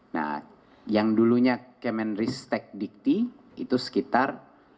nah yang dulunya kemenristek dikti itu sekitar